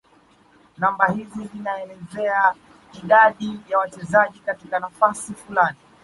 namba hizi zinaelezea idadi ya wachezaji katika nafasi fulani